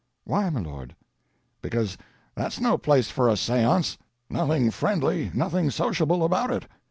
"Why, m'lord?" "Because that's no place for a seance. Nothing friendly, nothing sociable about it.